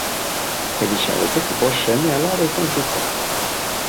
Elisabetek bost seme-alaba izan zituen.